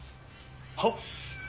はっ。